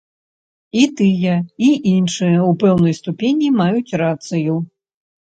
І тыя, і іншыя ў пэўнай ступені маюць рацыю.